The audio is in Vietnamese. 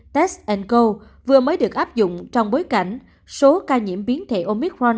test go vừa mới được áp dụng trong bối cảnh số ca nhiễm biến thể omicron